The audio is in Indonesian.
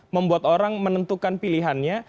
membuat orang menentukan pilihannya